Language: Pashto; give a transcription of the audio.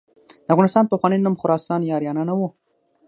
د افغانستان پخوانی نوم خراسان یا آریانا نه و.